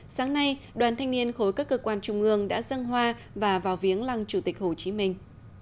sáng nay đoàn thanh niên khối các cơ quan trung ương đã dâng hoa và vào viếng lăng chủ tịch hồ chí minh